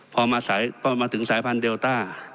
พอมาถึงสายพันธุเดลต้า